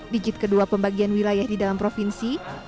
digit kedua pembagian wilayah di dalam provinsi